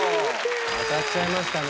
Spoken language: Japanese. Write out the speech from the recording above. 当たっちゃいましたね。